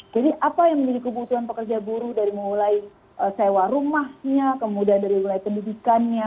jadi apa yang menjadi kebutuhan pekerja buruh dari mulai sewa rumahnya kemudian dari mulai pendidikannya